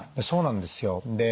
そうなんですよ。